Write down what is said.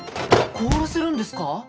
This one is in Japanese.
凍らせるんですか？